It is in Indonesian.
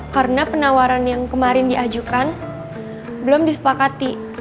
karena penawaran yang kemarin diajukan belum disepakati